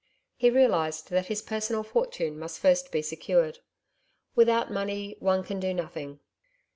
He realised that his personal fortune must first be secured. Without money one can do nothing.